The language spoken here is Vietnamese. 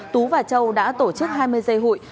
tú và châu đã tổ chức hai mươi giây huyện